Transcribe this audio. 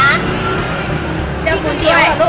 มากินก๋วยเตี๋ยวเหรอลูก